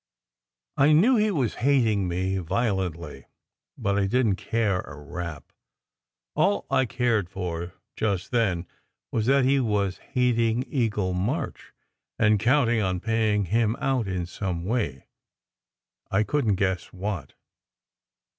I knew he was hating me violently, but I didn t care a rap. All I cared for just then was that he was hating Eagle March, and counting on paying him out in some way I couldn t guess what.